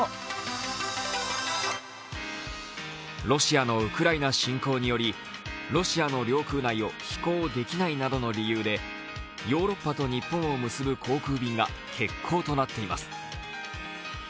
ロシアのウクライナ侵攻によりロシアの領空内を飛行できないなどの理由でヨーロッパと日本を結ぶ航空便が欠航となっています。